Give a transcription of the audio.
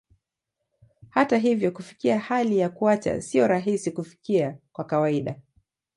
Hata hivyo, kufikia hali ya kuacha sio rahisi kufikia kwa kawaida.